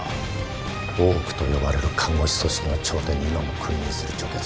大奥と呼ばれる看護師組織の頂点に今も君臨する女傑。